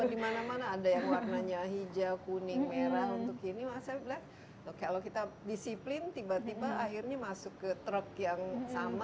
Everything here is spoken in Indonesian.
dimana mana ada yang warnanya hijau kuning merah untuk ini saya bilang kalau kita disiplin tiba tiba akhirnya masuk ke truk yang sama